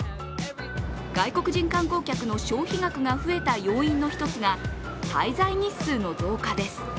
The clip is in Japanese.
外国人観光客の消費額が増えた要因の一つが滞在日数の増加です。